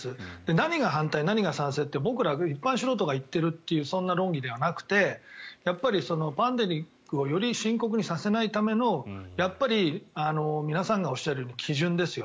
何が反対、何が賛成って僕ら一般素人が言っているっていうそんな論議ではなくてやっぱりパンデミックをより深刻にさせないための皆さんがおっしゃるように基準ですよ。